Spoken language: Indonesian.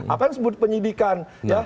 apa yang disebut penyidikan